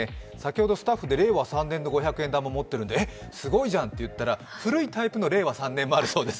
スタッフで令和３年の五百円玉を持っているのでえっすごいじゃん！と言ったら、古いタイプの令和３年もあるようです。